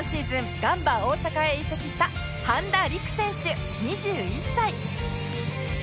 ガンバ大阪へ移籍した半田陸選手２１歳